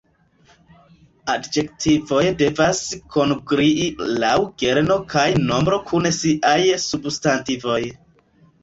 Adjektivoj devas kongrui laŭ genro kaj nombro kun siaj substantivoj.